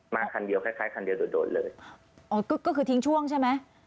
คันเดียวคล้ายคล้ายคันเดียวโดนเลยอ๋อก็คือทิ้งช่วงใช่ไหม